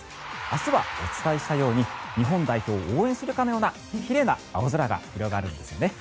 明日はお伝えしたように日本代表を応援するかのような奇麗な青空が広がるんですよね。